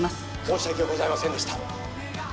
申し訳ございませんでした